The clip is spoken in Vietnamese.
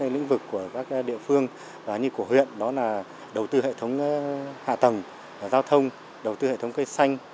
lĩnh vực của các địa phương như của huyện đó là đầu tư hệ thống hạ tầng giao thông đầu tư hệ thống cây xanh